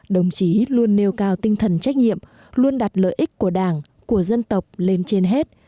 đồng chí luôn nêu cao tinh thần trách nhiệm luôn đặt lợi ích của đảng của dân tộc lên trên hết